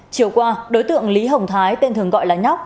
chiều qua đối tượng lý hồng thái tên thường gọi là nhóc